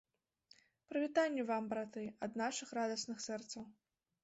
Прывітанне вам, браты, ад нашых радасных сэрцаў.